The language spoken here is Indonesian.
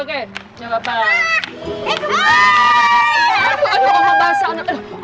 enggak papa oke